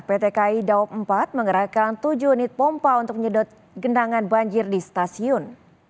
ptki daop empat menggerakkan tujuh unit pompa untuk nyedot gendangan banjir di stasiun